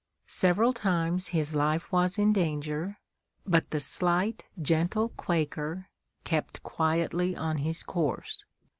Several times his life was in danger; but the slight, gentle Quaker kept quietly on his course.